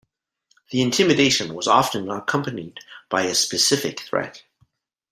The intimidation was often accompanied by a specific threat.